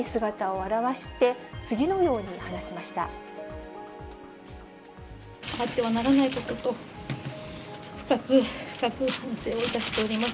あってはならないことと、深く深く反省をいたしております。